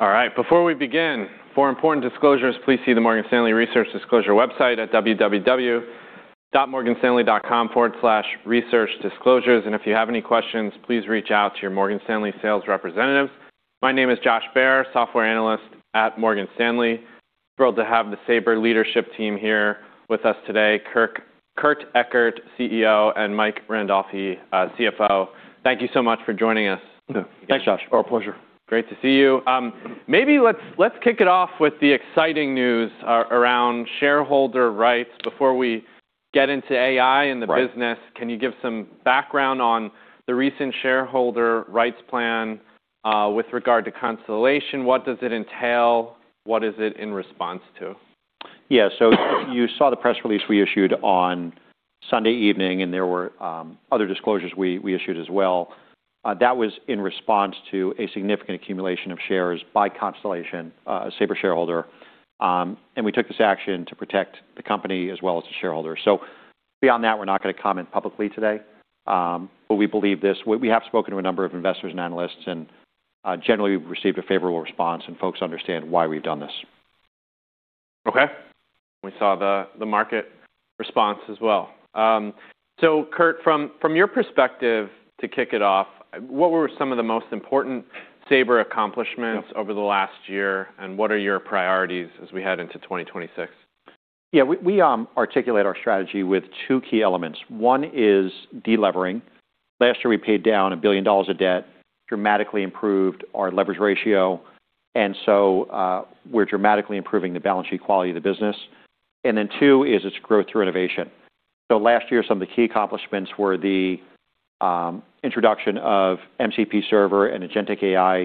All right, before we begin, for important disclosures, please see the Morgan Stanley Research Disclosure website at www.morganstanley.com/researchdisclosures. If you have any questions, please reach out to your Morgan Stanley sales representative. My name is Josh Baer, software analyst at Morgan Stanley. Thrilled to have the Sabre leadership team here with us today. Kurt Ekert, CEO, and Mike Randolfi, CFO. Thank you so much for joining us. Thanks, Josh. Our pleasure. Great to see you. Maybe let's kick it off with the exciting news around shareholder rights before we get into AI and the business. Right. Can you give some background on the recent shareholder rights plan, with regard to Constellation? What does it entail? What is it in response to? You saw the press release we issued on Sunday evening, and there were other disclosures we issued as well. That was in response to a significant accumulation of shares by Constellation, Sabre shareholder. We took this action to protect the company as well as the shareholders. Beyond that, we're not gonna comment publicly today, but we believe this. We have spoken to a number of investors and analysts, generally we've received a favorable response, and folks understand why we've done this. Okay. We saw the market response as well. Kurt, from your perspective to kick it off, what were some of the most important Sabre accomplishments over the last year, what are your priorities as we head into 2026? Yeah, we articulate our strategy with two key elements. One is delevering. Last year, we paid down $1 billion of debt, dramatically improved our leverage ratio, and we're dramatically improving the balance sheet quality of the business. Two is its growth through innovation. Last year, some of the key accomplishments were the introduction of MCP server and Agentic AI.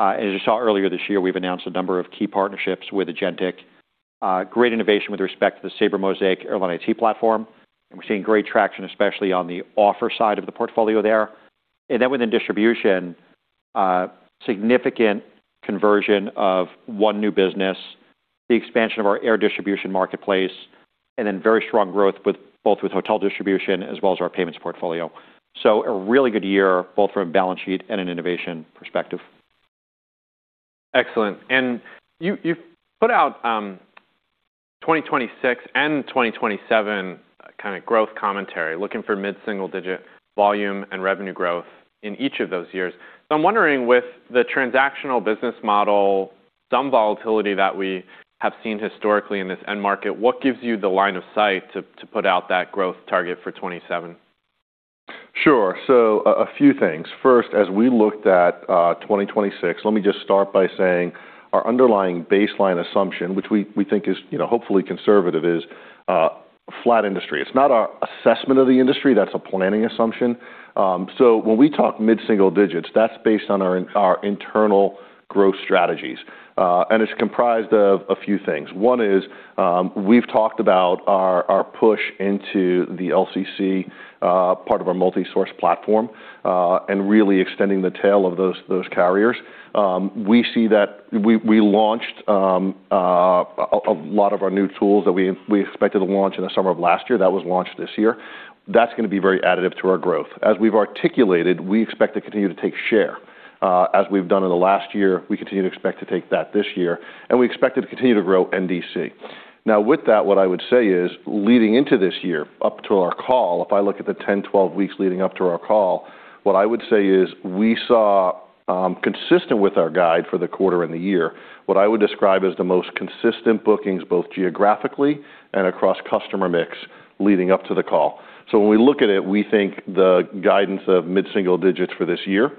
As you saw earlier this year, we've announced a number of key partnerships with Agentic, great innovation with respect to the Sabre Mosaic Airline IT platform, and we're seeing great traction, especially on the offer side of the portfolio there. Within distribution, significant conversion of one new business, the expansion of our air distribution marketplace, and then very strong growth with both hotel distribution as well as our payments portfolio.A really good year, both from a balance sheet and an innovation perspective. Excellent. you've put out, 2026 and 2027 kinda growth commentary, looking for mid-single digit volume and revenue growth in each of those years. I'm wondering, with the transactional business model, some volatility that we have seen historically in this end market, what gives you the line of sight to put out that growth target for 2027? Sure. A few things. First, as we looked at 2026, let me just start by saying our underlying baseline assumption, which we think is, you know, hopefully conservative, is flat industry. It's not our assessment of the industry. That's a planning assumption. When we talk mid-single digits, that's based on our internal growth strategies and it's comprised of a few things. One is, we've talked about our push into the LCC part of our multi-source platform and really extending the tail of those carriers. We see that we launched a lot of our new tools that we expected to launch in the summer of last year. That was launched this year. That's gonna be very additive to our growth. As we've articulated, we expect to continue to take share, as we've done in the last year. We continue to expect to take that this year. We expect it to continue to grow NDC. With that, what I would say is leading into this year, up to our call, if I look at the 10, 12 weeks leading up to our call, what I would say is we saw, consistent with our guide for the quarter and the year, what I would describe as the most consistent bookings, both geographically and across customer mix leading up to the call. When we look at it, we think the guidance of mid-single digits for this year,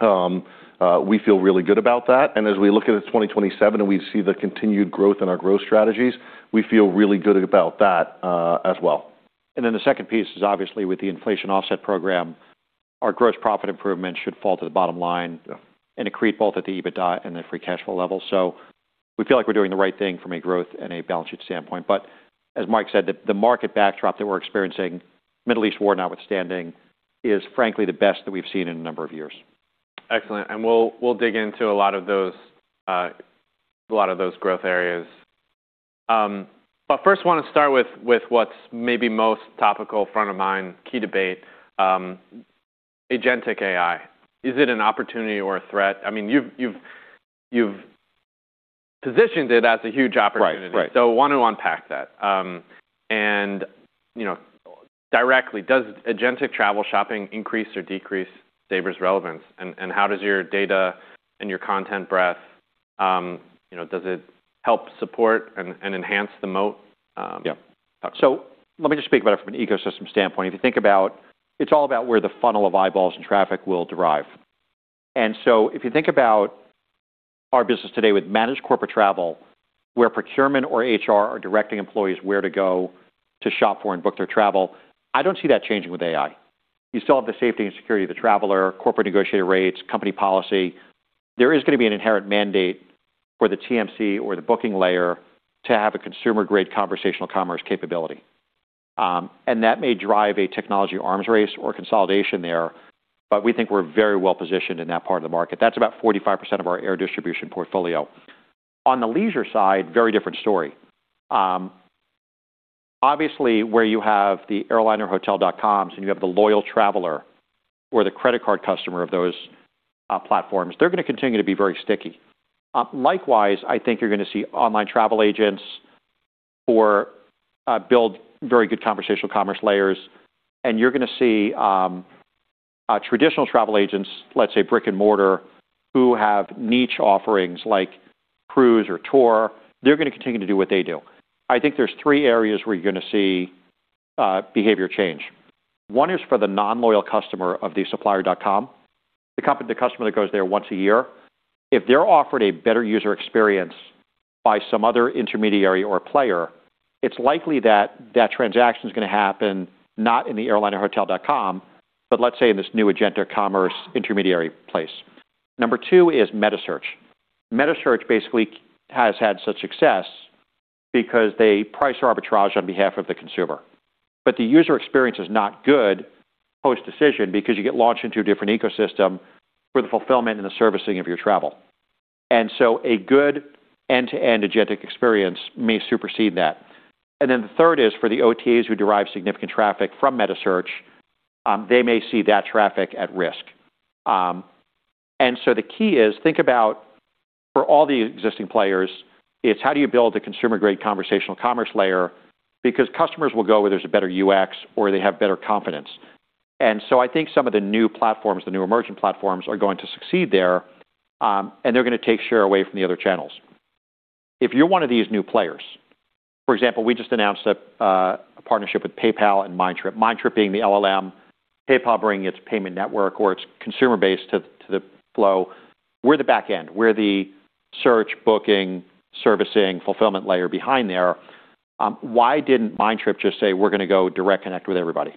we feel really good about that. As we look at it 2027 and we see the continued growth in our growth strategies, we feel really good about that as well. The second piece is obviously with the inflation offset program, our gross profit improvement should fall to the bottom line. Yeah And accrete both at the EBITDA and the free cash flow level. We feel like we're doing the right thing from a growth and a balance sheet standpoint. As Mike said, the market backdrop that we're experiencing, Middle East war notwithstanding, is frankly the best that we've seen in a number of years. Excellent. We'll dig into a lot of those, a lot of those growth areas. First wanna start with what's maybe most topical front of mind, key debate, Agentic AI. Is it an opportunity or a threat? I mean, you've positioned it as a huge opportunity. Right. Right. Want to unpack that. You know, directly, does agentic travel shopping increase or decrease Sabre's relevance? How does your data and your content breadth, you know, does it help support and enhance the moat? Let me just speak about it from an ecosystem standpoint. If you think about, it's all about where the funnel of eyeballs and traffic will derive. If you think about our business today with managed corporate travel, where procurement or HR are directing employees where to go to shop for and book their travel, I don't see that changing with AI. You still have the safety and security of the traveler, corporate negotiated rates, company policy. There is gonna be an inherent mandate for the TMC or the booking layer to have a consumer-grade conversational commerce capability. That may drive a technology arms race or consolidation there, but we think we're very well positioned in that part of the market. That's about 45% of our air distribution portfolio. On the leisure side, very different story. Obviously, where you have the airline or hotel dot coms and you have the loyal traveler or the credit card customer of those platforms, they're gonna continue to be very sticky. Likewise, I think you're gonna see online travel agents or build very good conversational commerce layers, and you're gonna see traditional travel agents, let's say brick-and-mortar, who have niche offerings like cruise or tour, they're gonna continue to do what they do. I think there's three areas where you're gonna see behavior change. One is for the non-loyal customer of the supplier dot com, the customer that goes there once a year. If they're offered a better user experience by some other intermediary or player, it's likely that that transaction is gonna happen not in the airline or hotel dot com, but let's say in this new agent or commerce intermediary place. Number two is metasearch. Metasearch basically has had such success because they price arbitrage on behalf of the consumer. The user experience is not good post-decision because you get launched into a different ecosystem for the fulfillment and the servicing of your travel. A good end-to-end agentic experience may supersede that. The third is for the OTAs who derive significant traffic from metasearch, they may see that traffic at risk. The key is think about for all the existing players, it's how do you build a consumer-grade conversational commerce layer because customers will go where there's a better UX or they have better confidence. I think some of the new platforms, the new emerging platforms, are going to succeed there, and they're gonna take share away from the other channels. If you're one of these new players, for example, we just announced a partnership with PayPal and Mindtrip. Mindtrip being the LLM, PayPal bringing its payment network or its consumer base to the flow. We're the back end. We're the search, booking, servicing, fulfillment layer behind there. Why didn't Mindtrip just say, "We're gonna go direct connect with everybody"?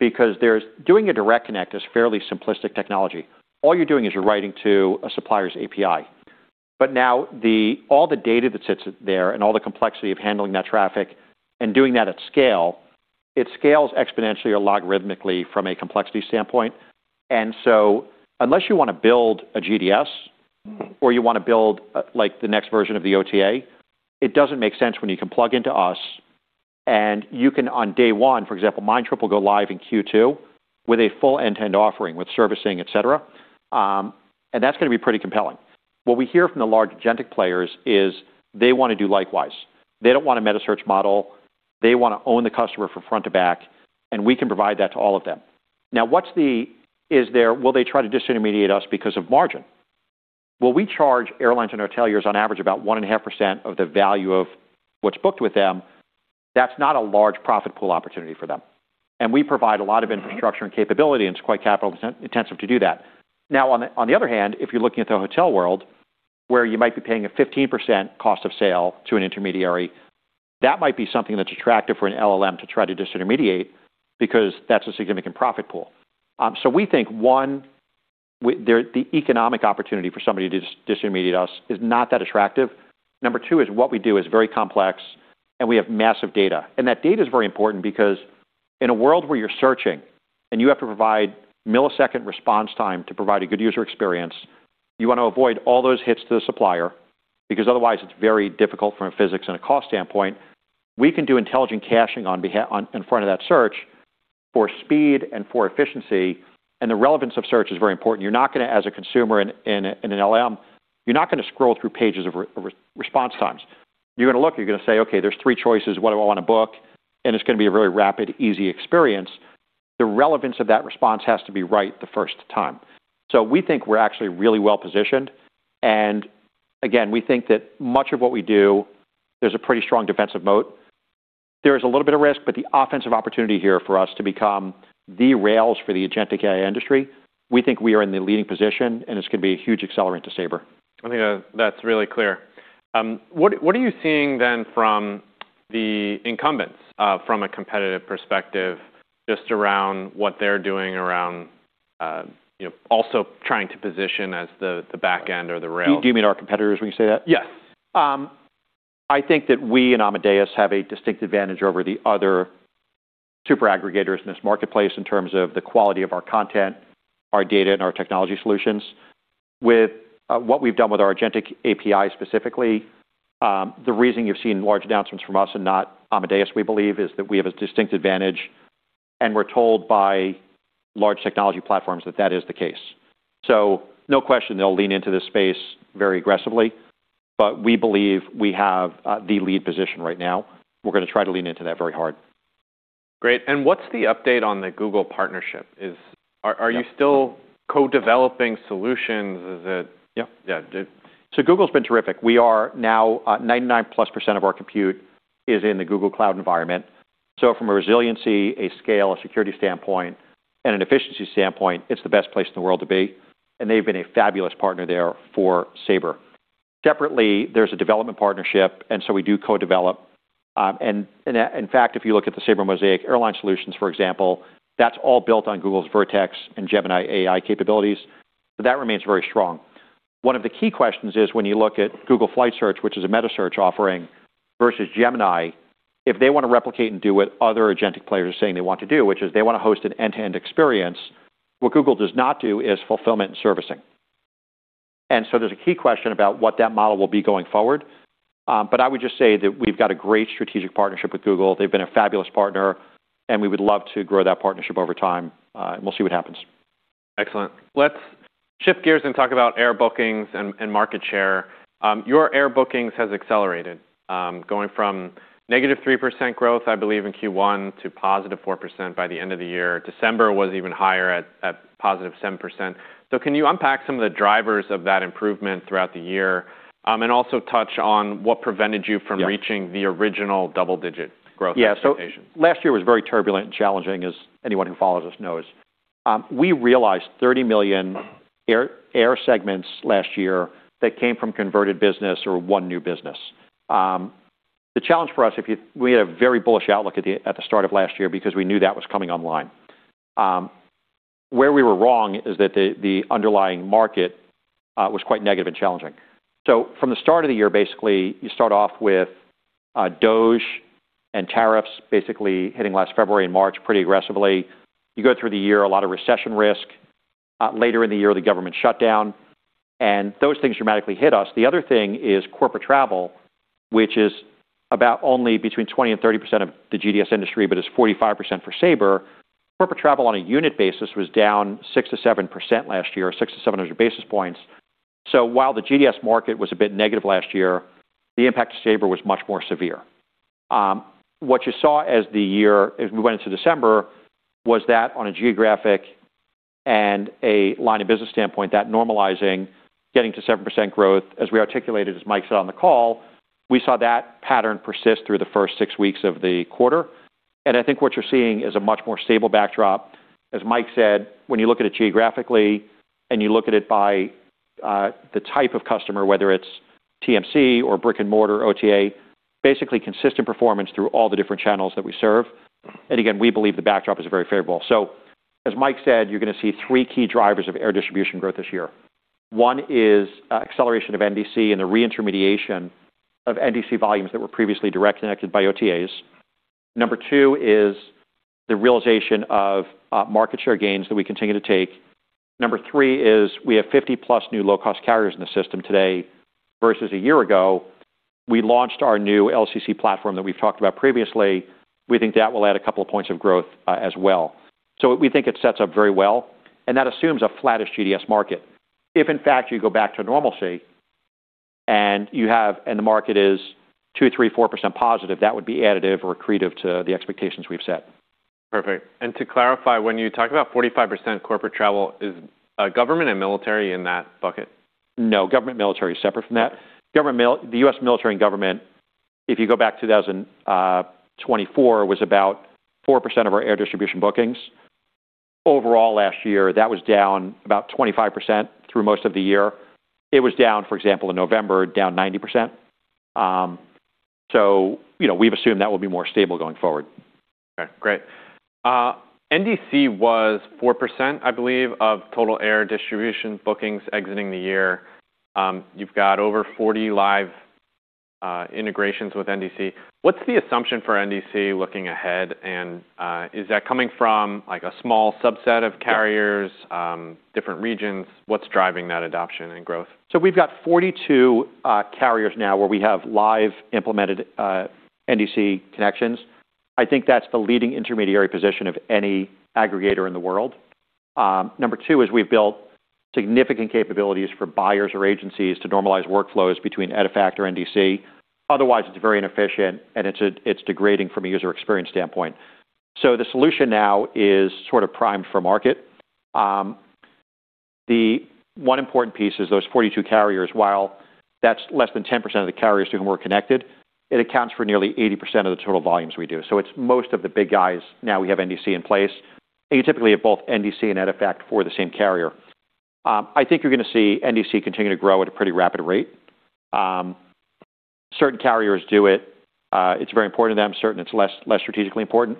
Doing a direct connect is fairly simplistic technology. All you're doing is you're writing to a supplier's API. Now all the data that sits there and all the complexity of handling that traffic and doing that at scale, it scales exponentially or logarithmically from a complexity standpoint. Unless you want to build a GDS or you want to build, like, the next version of the OTA, it doesn't make sense when you can plug into us and you can on day one, for example, Mindtrip will go live in Q2 with a full end-to-end offering with servicing, et cetera, and that's going to be pretty compelling. What we hear from the large agentic players is they want to do likewise. They don't want a metasearch model. They want to own the customer from front to back, and we can provide that to all of them. Now, will they try to disintermediate us because of margin? Well, we charge airlines and hoteliers on average about 1.5% of the value of what's booked with them. That's not a large profit pool opportunity for them. We provide a lot of infrastructure and capability, and it's quite capital intensive to do that. On the other hand, if you're looking at the hotel world, where you might be paying a 15% cost of sale to an intermediary, that might be something that's attractive for an LLM to try to disintermediate because that's a significant profit pool. We think, one, the economic opportunity for somebody to disintermediate us is not that attractive. Number two is what we do is very complex, and we have massive data. That data is very important because in a world where you're searching and you have to provide millisecond response time to provide a good user experience, you want to avoid all those hits to the supplier because otherwise it's very difficult from a physics and a cost standpoint. We can do intelligent caching in front of that search for speed and for efficiency. The relevance of search is very important. You're not gonna as a consumer in an LLM, you're not gonna scroll through pages of response times. You're gonna look, you're gonna say, "Okay, there's three choices. What do I want to book?" It's going to be a very rapid, easy experience. The relevance of that response has to be right the first time. We think we're actually really well-positioned. Again, we think that much of what we do, there's a pretty strong defensive moat. There is a little bit of risk, the offensive opportunity here for us to become the rails for the agentic AI industry, we think we are in the leading position, and it's going to be a huge accelerant to Sabre. I think that's really clear. What are you seeing then from the incumbents, from a competitive perspective, just around what they're doing around, also trying to position as the back end or the rail? Do you mean our competitors when you say that? Yes. I think that we and Amadeus have a distinct advantage over the other super aggregators in this marketplace in terms of the quality of our content, our data, and our technology solutions. With what we've done with our agentic API specifically, the reason you've seen large announcements from us and not Amadeus, we believe, is that we have a distinct advantage, and we're told by large technology platforms that that is the case. No question they'll lean into this space very aggressively, but we believe we have the lead position right now. We're gonna try to lean into that very hard. Great. What's the update on the Google partnership? Are you still co-developing solutions? Yeah. Yeah. Google's been terrific. We are now, 99+% of our compute is in the Google Cloud environment. From a resiliency, a scale, a security standpoint, and an efficiency standpoint, it's the best place in the world to be, and they've been a fabulous partner there for Sabre. Separately, there's a development partnership, and we do co-develop. In fact, if you look at the Sabre Mosaic Airline Solutions, for example, that's all built on Google's Vertex and Gemini AI capabilities. That remains very strong. One of the key questions is when you look at Google Flights, which is a metasearch offering versus Gemini, if they want to replicate and do what other agentic players are saying they want to do, which is they want to host an end-to-end experience, what Google does not do is fulfillment and servicing. There's a key question about what that model will be going forward. I would just say that we've got a great strategic partnership with Google. They've been a fabulous partner, and we would love to grow that partnership over time, and we'll see what happens. Excellent. Let's shift gears and talk about air bookings and market share. Your air bookings has accelerated, going from -3% growth, I believe, in Q1 to +4% by the end of the year. December was even higher at +7%. Can you unpack some of the drivers of that improvement throughout the year, and also touch on what prevented you from. Yeah. Reaching the original double-digit growth expectation? Last year was very turbulent and challenging, as anyone who follows us knows. We realized 30,000,000 air segments last year that came from converted business or one new business. The challenge for us, we had a very bullish outlook at the start of last year because we knew that was coming online. Where we were wrong is that the underlying market was quite negative and challenging. From the start of the year, basically, you start off with DOGE and tariffs basically hitting last February and March pretty aggressively. You go through the year, a lot of recession risk. Later in the year, the government shutdown. Those things dramatically hit us. The other thing is corporate travel, which is about only between 20% and 30% of the GDS industry, but is 45% for Sabre. Corporate travel on a unit basis was down 6%-7% last year, or 600-700 basis points. While the GDS market was a bit negative last year, the impact to Sabre was much more severe. What you saw as the year, as we went into December, was that on a geographic and a line of business standpoint, that normalizing, getting to 7% growth, as we articulated, as Mike said on the call, we saw that pattern persist through the first six weeks of the quarter. I think what you're seeing is a much more stable backdrop. As Mike said, when you look at it geographically and you look at it by the type of customer, whether it's TMC or brick-and-mortar OTA, basically consistent performance through all the different channels that we serve. Again, we believe the backdrop is very favorable. As Mike said, you're gonna see three key drivers of air distribution growth this year. One is acceleration of NDC and the reintermediation of NDC volumes that were previously direct connected by OTAs. Number two is the realization of market share gains that we continue to take. Number three is we have 50+ new low-cost carriers in the system today versus a year ago. We launched our new LCC platform that we've talked about previously. We think that will add a couple of points of growth as well. We think it sets up very well, and that assumes a flattish GDS market. If in fact you go back to normalcy and the market is 2%, 3%, 4% positive, that would be additive or accretive to the expectations we've set. To clarify, when you talk about 45% corporate travel, is government and military in that bucket? No, government military is separate from that. Government the U.S. military and government, if you go back to 2024, was about 4% of our air distribution bookings. Overall last year, that was down about 25% through most of the year. It was down, for example, in November, down 90%. You know, we've assumed that will be more stable going forward. Okay, great. NDC was 4%, I believe, of total air distribution bookings exiting the year. You've got over 40 live integrations with NDC. What's the assumption for NDC looking ahead? Is that coming from, like, a small subset of carriers, different regions? What's driving that adoption and growth? We've got 42 carriers now where we have live implemented NDC connections. I think that's the leading intermediary position of any aggregator in the world. Number two is we've built significant capabilities for buyers or agencies to normalize workflows between EDIFACT or NDC. Otherwise, it's very inefficient and it's degrading from a user experience standpoint. The solution now is sort of primed for market. The one important piece is those 42 carriers, while that's less than 10% of the carriers to whom we're connected, it accounts for nearly 80% of the total volumes we do. It's most of the big guys now we have NDC in place. You typically have both NDC and EDIFACT for the same carrier. I think you're gonna see NDC continue to grow at a pretty rapid rate. Certain carriers do it's very important to them. Certain, it's less strategically important.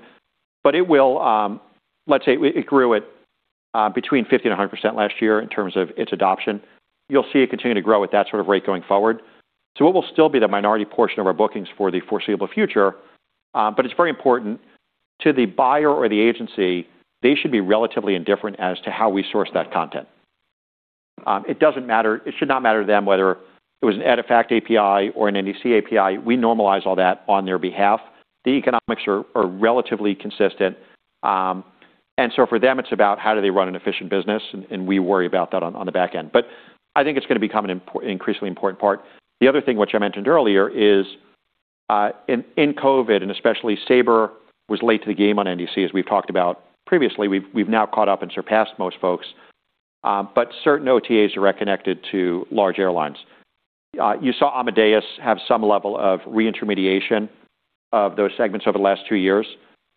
It will, let's say it grew at between 50% and 100% last year in terms of its adoption. You'll see it continue to grow at that sort of rate going forward. It will still be the minority portion of our bookings for the foreseeable future, but it's very important to the buyer or the agency, they should be relatively indifferent as to how we source that content. It doesn't matter, it should not matter to them whether it was an EDIFACT API or an NDC API. We normalize all that on their behalf. The economics are relatively consistent. For them, it's about how do they run an efficient business, and we worry about that on the back end. I think it's gonna become an increasingly important part. The other thing, which I mentioned earlier, is in COVID, and especially Sabre was late to the game on NDC, as we've talked about previously. We've now caught up and surpassed most folks. Certain OTAs are connected to large airlines. You saw Amadeus have some level of reintermediation of those segments over the last two years.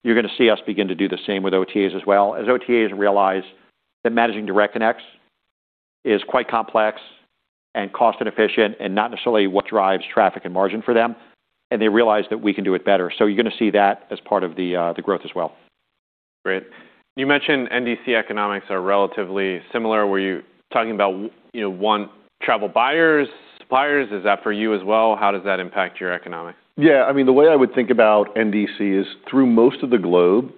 You're gonna see us begin to do the same with OTAs as well. As OTAs realize that managing direct connects is quite complex and cost inefficient and not necessarily what drives traffic and margin for them, and they realize that we can do it better. You're gonna see that as part of the growth as well. Great. You mentioned NDC economics are relatively similar. Were you talking about, you know, one travel buyers, suppliers? Is that for you as well? How does that impact your economics? Yeah, I mean, the way I would think about NDC is through most of the globe,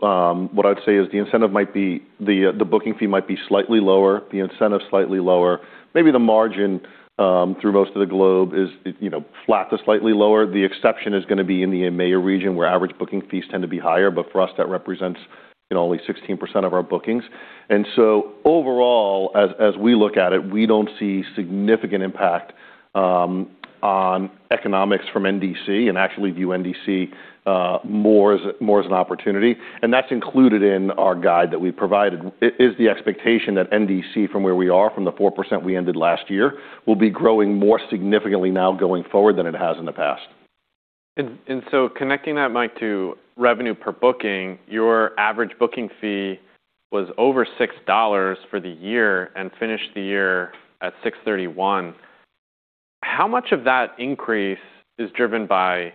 what I'd say is the incentive might be the booking fee might be slightly lower, the incentive slightly lower. Maybe the margin, through most of the globe is, you know, flat to slightly lower. The exception is gonna be in the EMEA region, where average booking fees tend to be higher. For us, that represents, you know, only 16% of our bookings. Overall, as we look at it, we don't see significant impact on economics from NDC and actually view NDC more as an opportunity. That's included in our guide that we provided. It is the expectation that NDC from where we are, from the 4% we ended last year, will be growing more significantly now going forward than it has in the past. Connecting that, Mike, to revenue per booking, your average booking fee was over $6 for the year and finished the year at $6.31. How much of that increase is driven by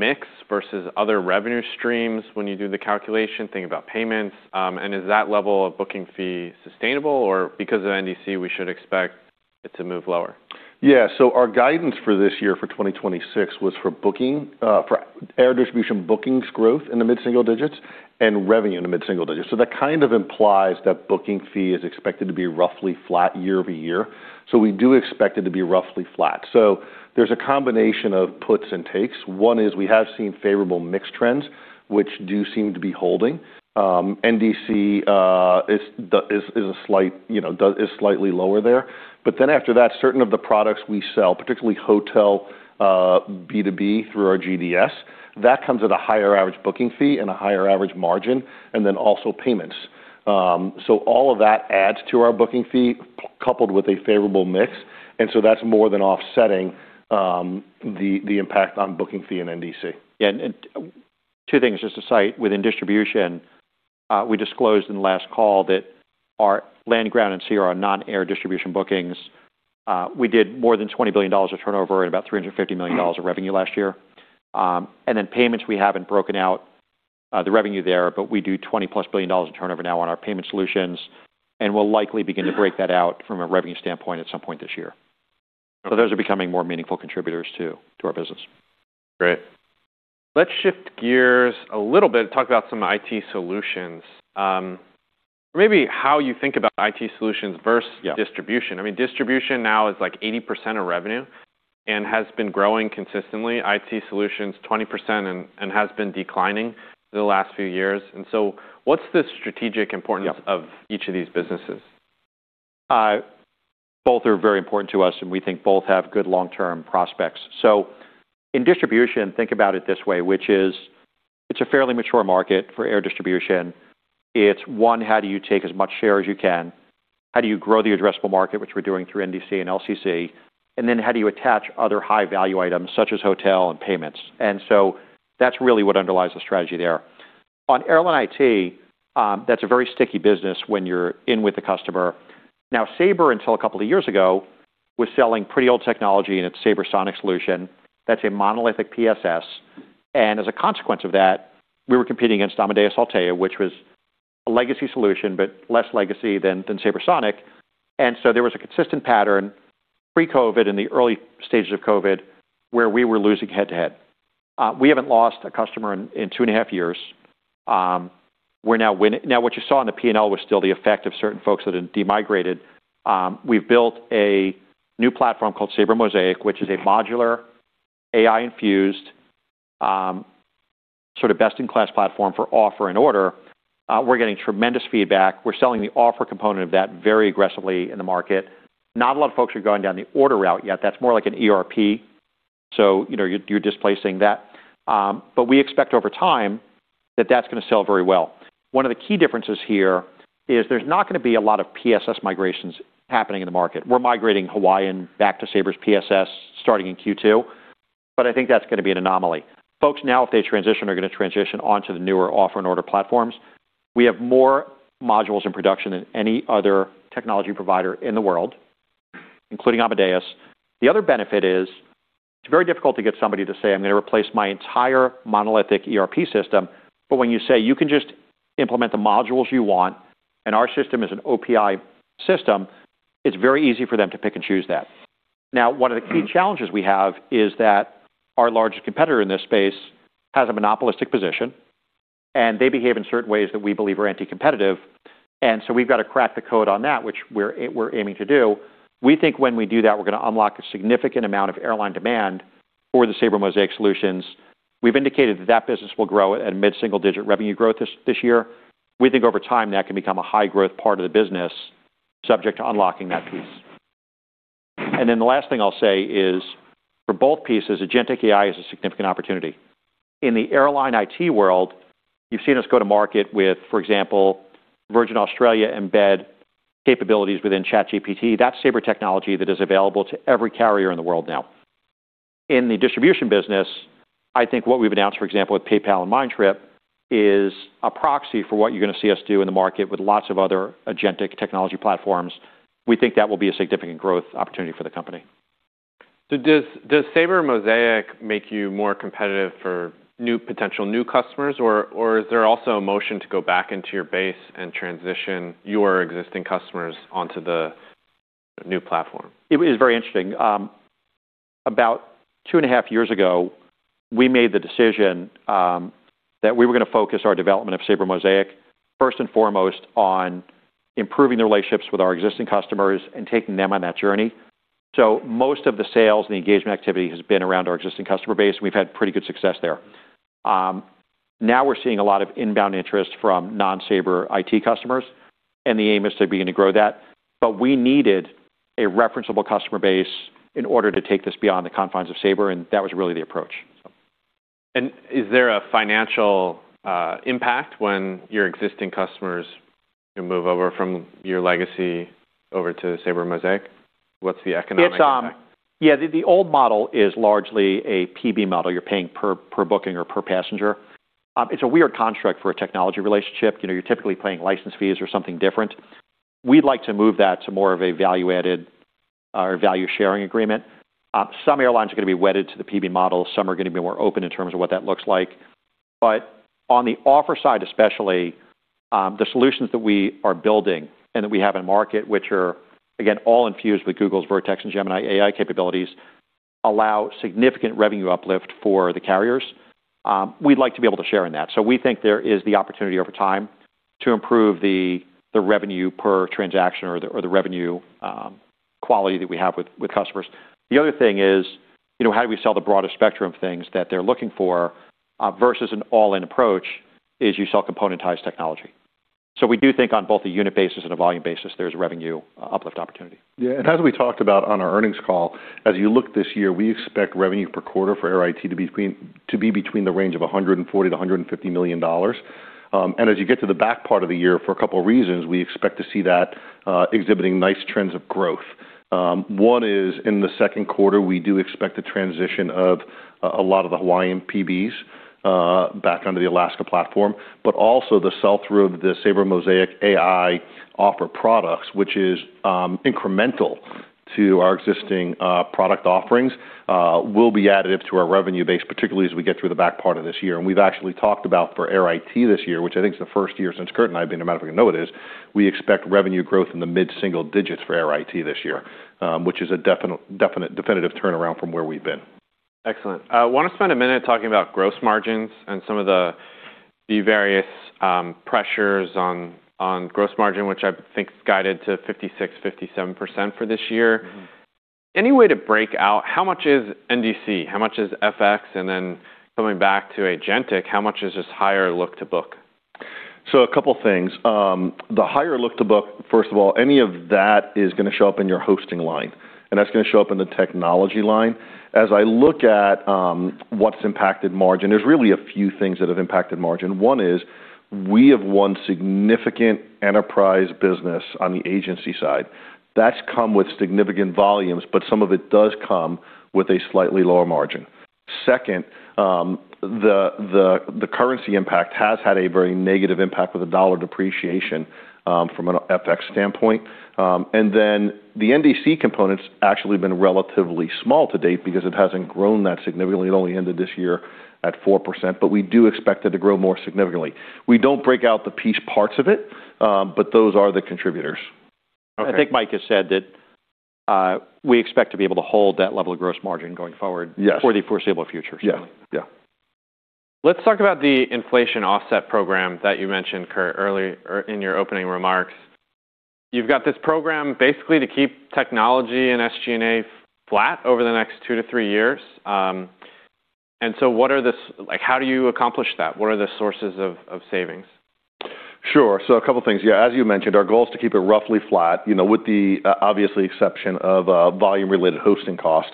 mix versus other revenue streams when you do the calculation, think about payments, and is that level of booking fee sustainable or because of NDC, we should expect it to move lower? Yeah. Our guidance for this year for 2026 was for booking, for air distribution bookings growth in the mid-single digits and revenue in the mid-single digits. That kind of implies that booking fee is expected to be roughly flat year-over-year. We do expect it to be roughly flat. There's a combination of puts and takes. One is we have seen favorable mix trends, which do seem to be holding. NDC, is a slight, you know, is slightly lower there. After that, certain of the products we sell, particularly hotel, B2B through our GDS, that comes at a higher average booking fee and a higher average margin, also payments. All of that adds to our booking fee coupled with a favorable mix, and so that's more than offsetting, the impact on booking fee in NDC. Yeah. Two things just to cite within distribution. We disclosed in the last call that our land, ground and sea are our non-air distribution bookings. We did more than $20 billion of turnover and about $350 million of revenue last year. Payments, we haven't broken out the revenue there, but we do $20+ billion in turnover now on our payment solutions, and we'll likely begin to break that out from a revenue standpoint at some point this year. Those are becoming more meaningful contributors to our business. Great. Let's shift gears a little bit and talk about some IT solutions. maybe how you think about IT solutions. Yeah. Distribution. I mean, distribution now is like 80% of revenue and has been growing consistently. IT solutions, 20% and has been declining for the last few years. What's the strategic importance. Yeah. Of each of these businesses? Both are very important to us, and we think both have good long-term prospects. In distribution, think about it this way, which is it's a fairly mature market for air distribution. It's one, how do you take as much share as you can? How do you grow the addressable market, which we're doing through NDC and LCC? How do you attach other high-value items such as hotel and payments? That's really what underlies the strategy there. On airline IT, that's a very sticky business when you're in with the customer. Now, Sabre, until a couple of years ago, was selling pretty old technology in its SabreSonic solution. That's a monolithic PSS. As a consequence of that, we were competing against Amadeus Altéa, which was a legacy solution, but less legacy than SabreSonic. There was a consistent pattern pre-COVID, in the early stages of COVID, where we were losing head-to-head. We haven't lost a customer in two and a half years. We're now winning. What you saw in the P&L was still the effect of certain folks that had demigrated. We've built a new platform called Sabre Mosaic, which is a modular AI-infused, sort of best-in-class platform for offer and order. We're getting tremendous feedback. We're selling the offer component of that very aggressively in the market. Not a lot of folks are going down the order route yet. That's more like an ERP. You know, you're displacing that. We expect over time that that's gonna sell very well. One of the key differences here is there's not gonna be a lot of PSS migrations happening in the market. We're migrating Hawaiian back to Sabre's PSS starting in Q2. I think that's gonna be an anomaly. Folks now, if they transition, are gonna transition onto the newer offer and order platforms. We have more modules in production than any other technology provider in the world, including Amadeus. The other benefit is it's very difficult to get somebody to say, "I'm gonna replace my entire monolithic ERP system." When you say you can just implement the modules you want, and our system is an OPI system, it's very easy for them to pick and choose that. Now, one of the key challenges we have is that our largest competitor in this space has a monopolistic position, and they behave in certain ways that we believe are anti-competitive. We've got to crack the code on that, which we're aiming to do. We think when we do that, we're gonna unlock a significant amount of airline demand for the Sabre Mosaic solutions. We've indicated that that business will grow at a mid-single-digit revenue growth this year. We think over time, that can become a high-growth part of the business, subject to unlocking that piece. The last thing I'll say is for both pieces, agentic AI is a significant opportunity. In the airline IT world, you've seen us go to market with, for example, Virgin Australia embed capabilities within ChatGPT. That's Sabre technology that is available to every carrier in the world now. In the distribution business, I think what we've announced, for example, with PayPal and Mindtrip, is a proxy for what you're gonna see us do in the market with lots of other agentic technology platforms. We think that will be a significant growth opportunity for the company. Does Sabre Mosaic make you more competitive for potential new customers? Or is there also a motion to go back into your base and transition your existing customers onto the new platform? It was very interesting. About two and a half years ago, we made the decision that we were gonna focus our development of Sabre Mosaic first and foremost on improving the relationships with our existing customers and taking them on that journey. Most of the sales and the engagement activity has been around our existing customer base. We've had pretty good success there. Now we're seeing a lot of inbound interest from non-Sabre IT customers, and the aim is to begin to grow that. We needed a referenceable customer base in order to take this beyond the confines of Sabre, and that was really the approach, so. Is there a financial impact when your existing customers move over from your legacy over to Sabre Mosaic? What's the economic impact? It's. Yeah, the old model is largely a PB model. You're paying per booking or per passenger. It's a weird construct for a technology relationship. You know, you're typically paying license fees or something different. We'd like to move that to more of a value-added or value-sharing agreement. Some airlines are gonna be wedded to the PB model, some are gonna be more open in terms of what that looks like. On the offer side especially, the solutions that we are building and that we have in market, which are, again, all infused with Google's Vertex and Gemini AI capabilities, allow significant revenue uplift for the carriers. We'd like to be able to share in that. We think there is the opportunity over time to improve the revenue per transaction or the revenue quality that we have with customers. The other thing is, you know, how do we sell the broader spectrum of things that they're looking for versus an all-in approach is you sell componentized technology. We do think on both a unit basis and a volume basis, there's revenue uplift opportunity. Yeah. As we talked about on our earnings call, as you look this year, we expect revenue per quarter for Air IT to be between the range of $140 million-$150 million. As you get to the back part of the year for a couple reasons, we expect to see that exhibiting nice trends of growth. One is in the second quarter, we do expect the transition of a lot of the Hawaiian PBs back onto the Alaska platform. Also the sell-through of the Sabre Mosaic AI offer products, which is incremental to our existing product offerings, will be additive to our revenue base, particularly as we get through the back part of this year. We've actually talked about for Air IT this year, which I think is the first year since Kurt and I have been at American, no it is, we expect revenue growth in the mid-single digits for Air IT this year, which is a definitive turnaround from where we've been. Excellent. I wanna spend a minute talking about gross margins and some of the various pressures on gross margin, which I think is guided to 56%-57% for this year. Mm-hmm. Any way to break out how much is NDC, how much is FX? Then coming back to agentic, how much is just higher look-to-book? A couple things. The higher look-to-book, first of all, any of that is gonna show up in your hosting line, and that's gonna show up in the technology line. As I look at what's impacted margin, there's really a few things that have impacted margin. One is we have won significant enterprise business on the agency side. That's come with significant volumes, but some of it does come with a slightly lower margin. Second, the currency impact has had a very negative impact with the dollar depreciation from an FX standpoint. The NDC component's actually been relatively small to date because it hasn't grown that significantly. It only ended this year at 4%, but we do expect it to grow more significantly. We don't break out the piece parts of it, but those are the contributors. Okay. I think Mike has said that, we expect to be able to hold that level of gross margin going forward. Yes For the foreseeable future. Yeah. Yeah. Let's talk about the inflation offset program that you mentioned, Kurt, or in your opening remarks. You've got this program basically to keep technology and SG&A flat over the next two to three years. How do you accomplish that? What are the sources of savings? Sure. A couple things. Yeah, as you mentioned, our goal is to keep it roughly flat, you know, with the obviously exception of volume-related hosting costs.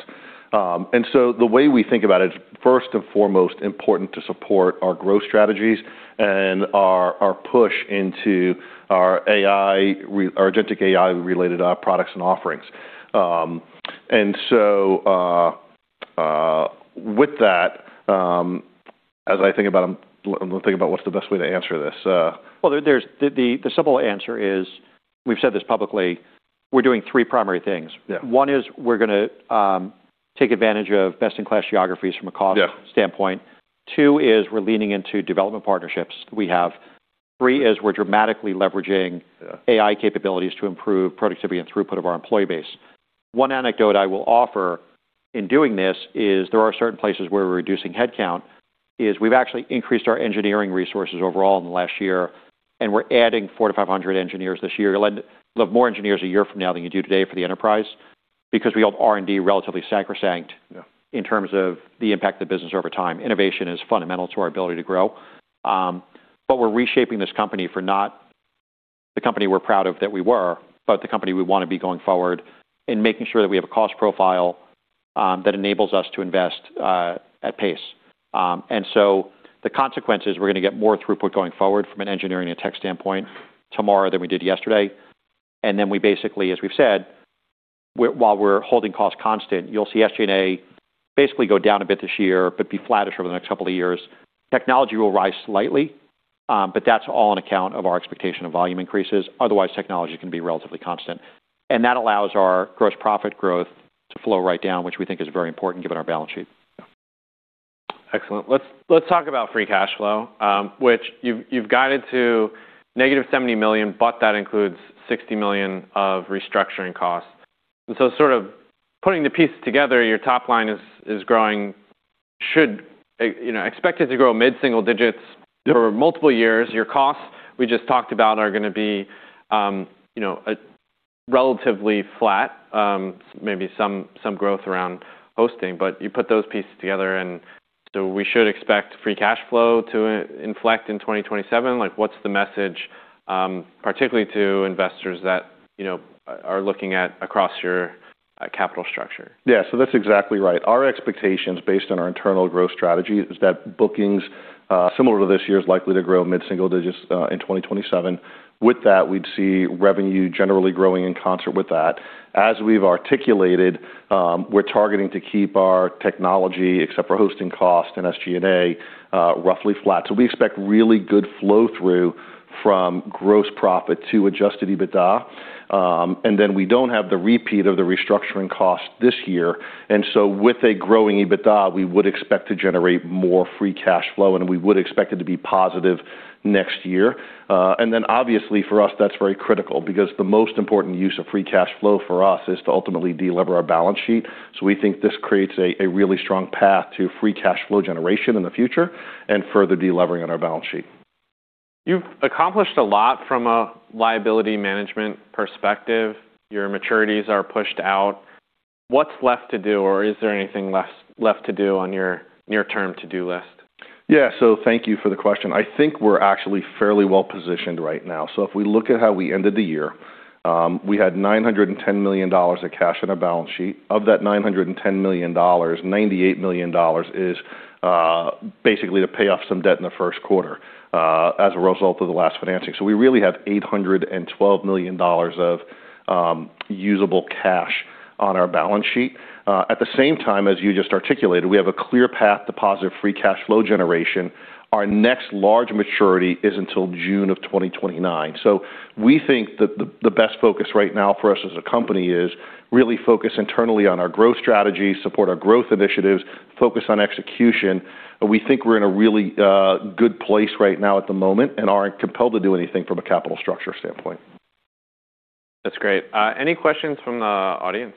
The way we think about it is first and foremost important to support our growth strategies and our push into our agentic AI-related products and offerings. With that, as I think about them, let me think about what's the best way to answer this. Well, the simple answer is, we've said this publicly, we're doing three primary things. Yeah. One is we're gonna take advantage of best-in-class geographies from a. Yeah Standpoint. Two is we're leaning into development partnerships that we have. Three is we're dramatically leveraging AI capabilities to improve productivity and throughput of our employee base. One anecdote I will offer in doing this is there are certain places where we're reducing headcount, is we've actually increased our engineering resources overall in the last year, and we're adding 400 to 500 engineers this year. You'll have more engineers a year from now than you do today for the enterprise because we hold R&D relatively sacrosanct. Yeah In terms of the impact of the business over time. Innovation is fundamental to our ability to grow. We're reshaping this company for not the company we're proud of that we were, but the company we wanna be going forward and making sure that we have a cost profile that enables us to invest at pace. The consequence is we're gonna get more throughput going forward from an engineering and tech standpoint tomorrow than we did yesterday. Then we basically, as we've said, while we're holding costs constant, you'll see SG&A basically go down a bit this year, but be flattish over the next couple of years. Technology will rise slightly, but that's all on account of our expectation of volume increases. Otherwise, technology can be relatively constant. That allows our gross profit growth to flow right down, which we think is very important given our balance sheet. Excellent. Let's talk about free cash flow, which you've guided to -$70 million, but that includes $60 million of restructuring costs. Sort of putting the pieces together, your top line is growing-- should, you know, expected to grow mid-single digits over multiple years. Your costs, we just talked about, are gonna be, you know, relatively flat, maybe some growth around hosting. You put those pieces together and so we should expect free cash flow to inflect in 2027. Like, what's the message, particularly to investors that, you know, are looking at across your capital structure? Yeah. That's exactly right. Our expectations based on our internal growth strategy is that bookings, similar to this year, is likely to grow mid-single digits in 2027. With that, we'd see revenue generally growing in concert with that. As we've articulated, we're targeting to keep our technology, except for hosting cost and SG&A, roughly flat. We expect really good flow-through from gross profit to adjusted EBITDA. We don't have the repeat of the restructuring cost this year. With a growing EBITDA, we would expect to generate more free cash flow, and we would expect it to be positive next year. Obviously for us that's very critical because the most important use of free cash flow for us is to ultimately delever our balance sheet. We think this creates a really strong path to free cash flow generation in the future and further delevering on our balance sheet. You've accomplished a lot from a liability management perspective. Your maturities are pushed out. What's left to do? Is there anything left to do on your near-term to-do list? Yeah. Thank you for the question. I think we're actually fairly well-positioned right now. If we look at how we ended the year, we had $910 million of cash in our balance sheet. Of that $910 million, $98 million is basically to pay off some debt in the Q1 as a result of the last financing. We really have $812 million of usable cash on our balance sheet. At the same time, as you just articulated, we have a clear path to positive free cash flow generation. Our next large maturity isn't until June of 2029. We think that the best focus right now for us as a company is really focus internally on our growth strategy, support our growth initiatives, focus on execution. We think we're in a really good place right now at the moment and aren't compelled to do anything from a capital structure standpoint. That's great. Any questions from the audience?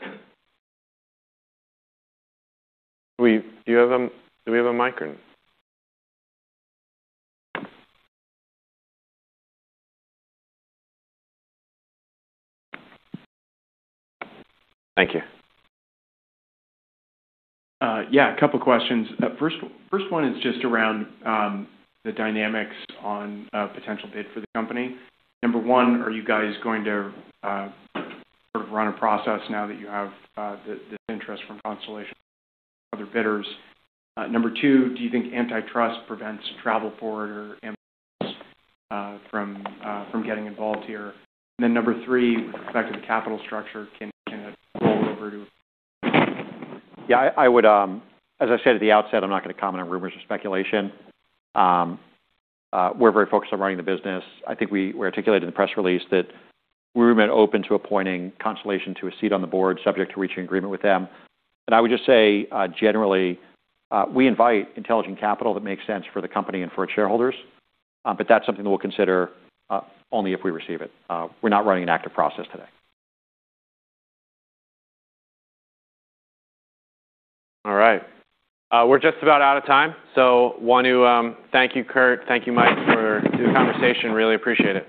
Do we have a mic? Thank you. Yeah, a couple questions. First one is just around the dynamics on a potential bid for the company. Number one, are you guys going to sort of run a process now that you have this interest from Constellation, other bidders? Number two, do you think antitrust prevents Travelport or from getting involved here? Number three, with respect to the capital structure, can it roll over? Yeah, I would, As I said at the outset, I'm not gonna comment on rumors or speculation. We're very focused on running the business. I think we articulated in the press release that we remain open to appointing Constellation to a seat on the board, subject to reaching agreement with them. I would just say, generally, we invite intelligent capital that makes sense for the company and for its shareholders, but that's something that we'll consider only if we receive it. We're not running an active process today. All right. We're just about out of time. Want to thank you, Kurt, thank you, Mike, for the conversation. Really appreciate it.